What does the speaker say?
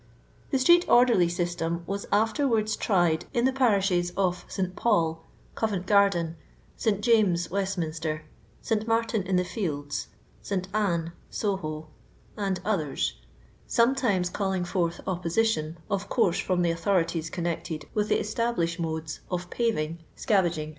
The street orderly system was afterwards tried in the parishes of St Paul, Covent garden, St James (Westminster^, St. Martin in the Fields, St Anne, Soho, and otners — sometimes calling forth opposition, of course frt>m the authorities con nected with the established modes of paving, scavaging, &c.